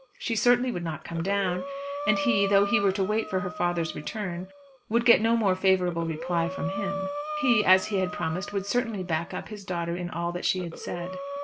She certainly would not come down; and he, though he were to wait for her father's return, would get no more favourable reply from him. He, as he had promised, would certainly "back up" his daughter in all that she had said.